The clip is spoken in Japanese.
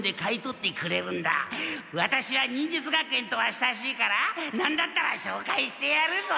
ワタシは忍術学園とは親しいからなんだったらしょうかいしてやるぞ。